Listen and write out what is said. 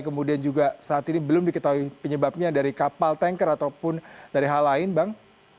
kemudian juga saat ini belum diketahui penyebabnya dari kapal tanker ataupun dari hal lain bang